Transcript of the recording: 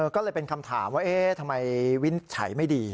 ก็เลยเป็นคำถามว่าทำไมวิ้นไฉไม่ดี